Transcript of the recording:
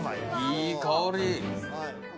いい香り。